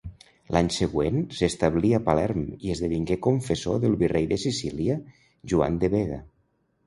L'any següent s'establí a Palerm i esdevingué confessor del virrei de Sicília Joan de Vega.